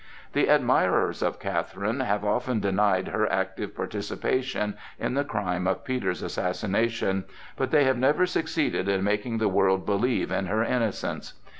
The admirers of Catherine have often denied her active participation in the crime of Peter's assassination; but they have never succeeded in making the world believe in her innocence.